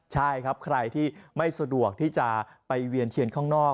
ใช่ครับใครที่ไม่สะดวกที่จะไปเวียนเทียนข้างนอก